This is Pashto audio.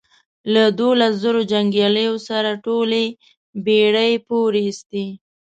له دوولس زرو جنګیالیو سره ټولې بېړۍ پورېستې.